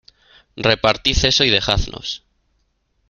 repartid eso y dejadnos.